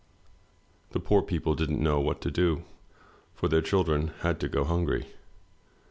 The poor people didn't know what to do, for their children had to go hungry.